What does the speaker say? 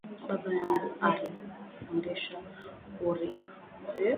Baba yangu ari tufundisha kurima